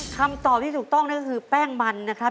คำตอบที่ถูกต้องนั่นก็คือแป้งมันนะครับ